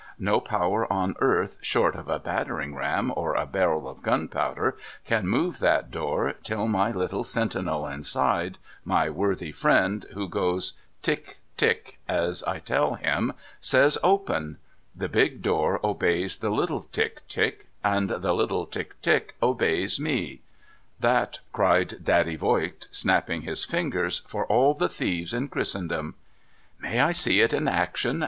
No power on earth, short of a battering ram or a barrel of gunpowder, can move that door, till my little sentinel inside — my worthy friend who goes "Tick, Tick," as I tell him — says " Open !" The big door obeys the little Tick, Tick, and the little Tick, Tick, obeys me. That !' cried Daddy Voigt, snapping his fingers, ' for all the thieves in Christendom !'' May I see it in action